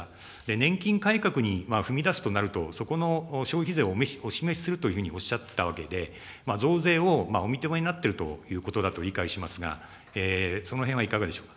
年金改革に踏み出すとなると、そこの消費税をお示しするというふうにおっしゃっていたわけで、増税をお認めになっているということだと理解しますが、そのへんはいかがでしょうか。